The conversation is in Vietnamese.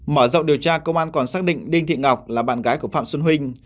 mở rộng điều tra công an còn xác định đinh thị ngọc là bạn gái của phạm xuân huynh